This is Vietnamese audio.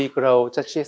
là một thách thức